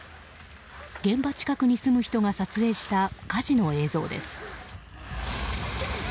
現場近くに住む人が撮影した火事の映像です。